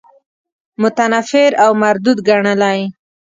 متنفر او مردود ګڼلی.